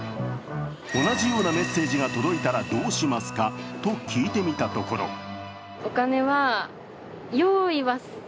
同じようなメッセージが届いたらどうしますかと聞いたところえ？